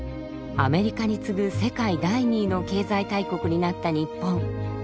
アメリカに次ぐ世界第２位の経済大国になった日本。